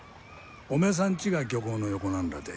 おめさんちが漁港の横なんらて。